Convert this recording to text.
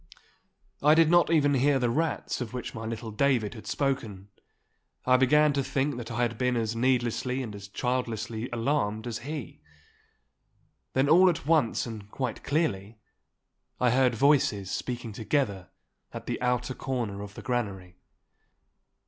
I did not even hear the rats of which my little David had spoken. I began to think that I had been as needlessly and as childlessly alarmed as he. Then all at once and quite clearly I heard voices speaking together at the outer corner of the granary.